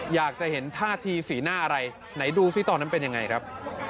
อยากจะเห็นท่าทีสีหน้าอะไรไหนดูซิตอนนั้นเป็นยังไงครับ